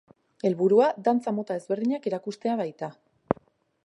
Helburua, dantza mota ezberdinak erakustea baita.